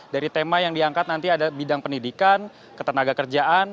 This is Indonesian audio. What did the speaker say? dari tema yang diangkat nanti ada bidang pendidikan ketenaga kerjaan